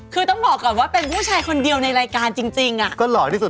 คือต้องบอกก่อนว่าเป็นผู้ชายคนเดียว